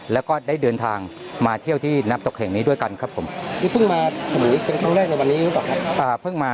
แล้วก็ได้เดินทางมาเที่ยวที่น้ำตกแห่งนี้ด้วยกันครับผม